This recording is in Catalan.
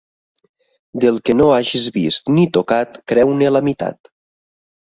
Del que no hagis vist ni tocat, creu-ne la meitat.